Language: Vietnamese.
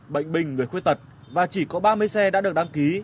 bệnh binh người khuyết tật và chỉ có ba mươi xe đã được đăng ký